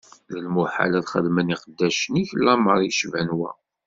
D lmuḥal ad xedmen iqeddacen-ik lameṛ yecban wa!